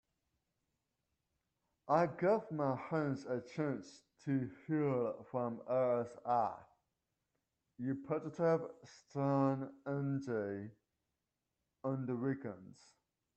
I give my hands a chance to heal from RSI (Repetitive Strain Injury) on the weekends.